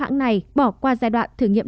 hãng này bỏ qua giai đoạn thử nghiệm